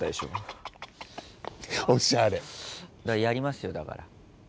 やりますよだから。